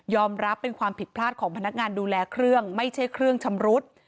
รับเป็นความผิดพลาดของพนักงานดูแลเครื่องไม่ใช่เครื่องชำรุด